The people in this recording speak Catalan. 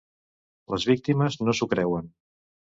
Les víctimes no s’ho creuen.